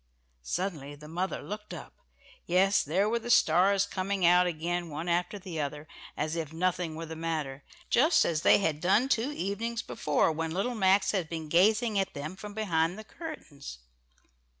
Suddenly the mother looked up yes, there were the stars coming out again one after the other, as if nothing were the matter; just as they had done two evenings before when little Max had been gazing at them from behind the curtains.